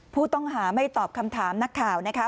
ผู้ต้องหาไม่ตอบคำถามนักข่าวนะคะ